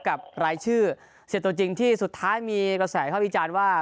กับรายชื่อเสียตัวจริงที่สุดท้ายมีกระแสเข้าวิจารณ์ว่า